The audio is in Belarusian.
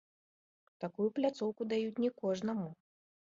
Такую пляцоўку даюць не кожнаму.